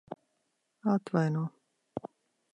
Atvaino.